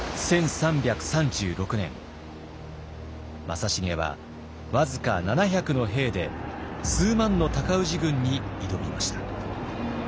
正成は僅か７００の兵で数万の尊氏軍に挑みました。